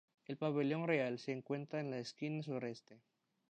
El Pabellón Real se encuentra en la esquina sureste.